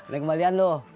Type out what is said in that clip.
lek kembalian lu